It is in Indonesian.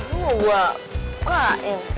gua buat apa ya